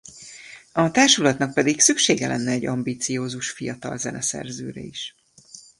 A társulatnak pedig szüksége lenne egy ambiciózus fiatal zeneszerzőre is.